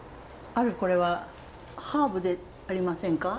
これはハーブでありませんか？